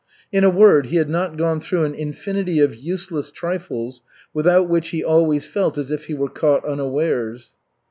In a word, he had not gone through an infinity of useless trifles, without which he always felt as if he were caught unawares.